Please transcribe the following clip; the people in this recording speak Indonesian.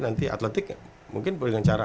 nanti atletik mungkin dengan cara